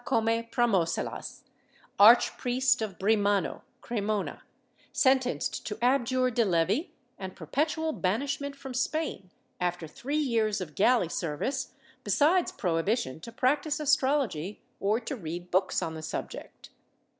VIII] PBOCEDUBE I95 Zacome Pramosellas, arch priest of Brimano (Cremona) sentenced to abjure de levi and perpetual banishment from Spain, after three years of galley service, besides prohibition to practice astrology or to read books on the subject.